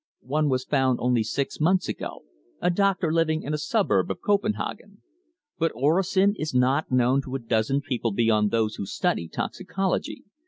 One was found only six months ago a doctor living in a suburb of Copenhagen. But orosin is not known to a dozen people beyond those who study toxicology.